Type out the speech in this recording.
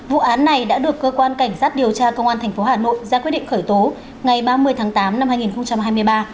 vụ án này đã được cơ quan cảnh sát điều tra công an tp hà nội ra quyết định khởi tố ngày ba mươi tháng tám năm hai nghìn hai mươi ba